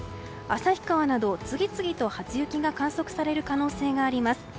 旭川など次々と初雪が観測される可能性があります。